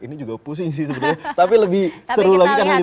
ini juga pusing sih sebenarnya tapi lebih seru lagi karena lima puluh meter